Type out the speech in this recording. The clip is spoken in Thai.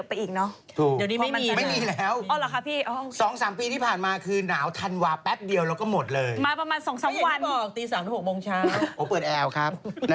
แต่อันนี้นี่เปิดแอร์ต้องระวังอันนี้อีกนะ